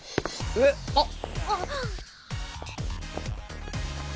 えっ？あっ。